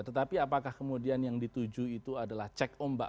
tetapi apakah kemudian yang dituju itu adalah cek ombak